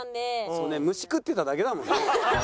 そうね虫食ってただけだもんね。